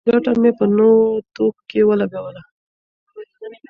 ګټه مې په نوو توکو کې ولګوله.